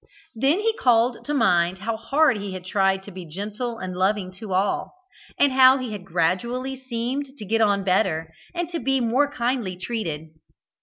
Then he called to mind how hard he had tried to be gentle and loving to all, and how he had gradually seemed to get on better and to be more kindly treated.